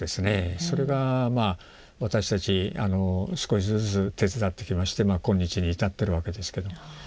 それが私たち少しずつ手伝ってきまして今日に至ってるわけですけど。